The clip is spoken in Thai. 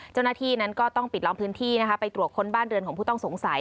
เจ้าหน้าที่นั้นก็ต้องปิดล้อมพื้นที่นะคะไปตรวจค้นบ้านเรือนของผู้ต้องสงสัย